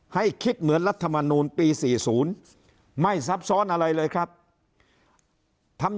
ให้คิดเหมือนรัฐมนูลปี๔๐ไม่ซับซ้อนอะไรเลยครับทำ